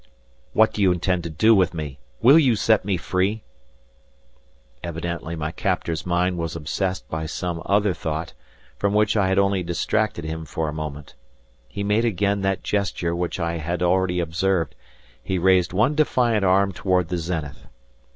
"What do you intend to do with me? Will you set me free?" Evidently my captor's mind was obsessed by some other thought, from which I had only distracted him for a moment. He made again that gesture which I had already observed; he raised one defiant arm toward the zenith.